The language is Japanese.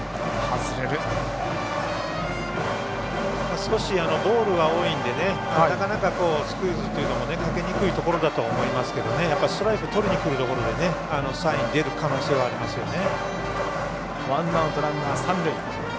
少しボールが多いんでなかなかスクイズというのもかけにくいところだとは思いますがストライクとりにくるところでサイン出る可能性はありますよね。